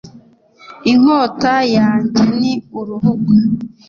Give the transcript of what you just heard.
inkota yanjye ni uruhuga